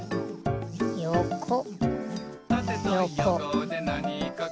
「たてとよこでなにかく」